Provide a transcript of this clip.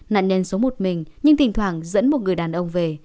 nạn nhân xuống một mình nhưng thỉnh thoảng dẫn một người đàn ông về